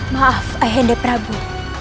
maaf ayah ndang prabu